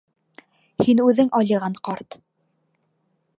— Һин үҙең алйыған ҡарт.